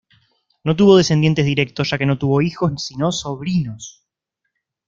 No tuvo descendientes directos, ya que no tuvo hijos sino sobrinos.